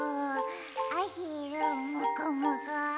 あひるんもこもこ。